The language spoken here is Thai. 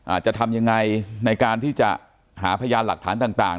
จะทำยังไงในการที่จะหาพยานหลักฐานต่าง